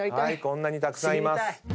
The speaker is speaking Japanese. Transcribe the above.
こんなにたくさんいます。